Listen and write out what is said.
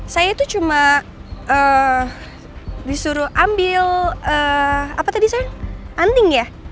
saya tuh cuma disuruh ambil anting ya